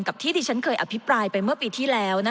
กับที่ที่ฉันเคยอภิปรายไปเมื่อปีที่แล้ว